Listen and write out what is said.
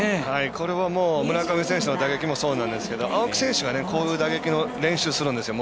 これはもう村上選手の打撃もそうなんですけど青木選手がこういう打撃の練習するんですよ